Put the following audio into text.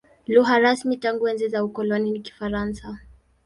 Lugha rasmi tangu enzi za ukoloni ni Kifaransa.